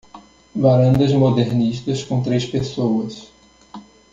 Varandas modernistas com três pessoas.